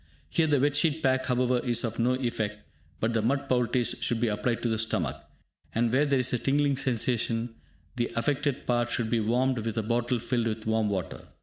Here the "Wet Sheet Pack", however, is of no effect, but the mud poultice should be applied to the stomach, and where there is a tingling sensation, the affected part should be warmed with a bottle filled with warm water.